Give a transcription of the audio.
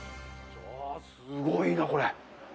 すごいな、これ。